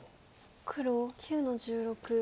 黒９の十六。